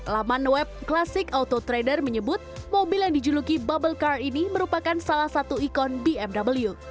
laman web klasik auto trader menyebut mobil yang dijuluki bubble car ini merupakan salah satu ikon bmw